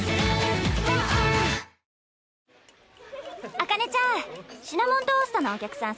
紅葉ちゃんシナモントーストのお客さん